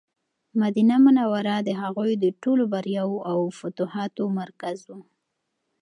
مدینه منوره د هغوی د ټولو بریاوو او فتوحاتو مرکز و.